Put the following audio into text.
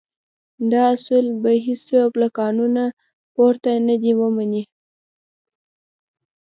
دا اصل چې هېڅوک له قانونه پورته نه دی ومني.